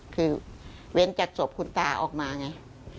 คือเว้นจากศพคุณตาออกมาไง